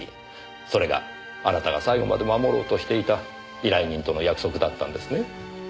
それがあなたが最後まで守ろうとしていた依頼人との約束だったんですね？